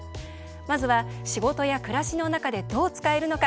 まずは、仕事や暮らしの中でどう使えるのか。